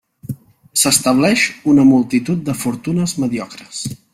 S'estableix una multitud de fortunes mediocres.